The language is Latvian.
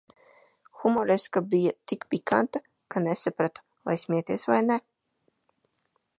Humoreska bija tik pikanta, ka nesapratu vai smieties vai ne!